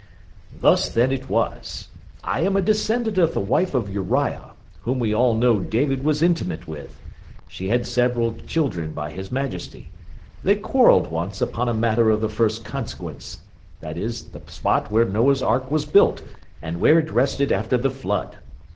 Thus then it was: I am a descendant of the wife of Uriah, whom we all know David was intimate with; she had several children by his majesty; they quarrelled once upon a matter of the first consequence, viz., the spot where Noah's ark was built, and where it rested after the flood.